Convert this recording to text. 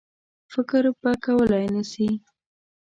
فکر به کولای نه سي.